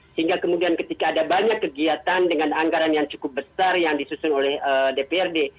sehingga kemudian ketika ada banyak kegiatan dengan anggaran yang cukup besar yang disusun oleh dprd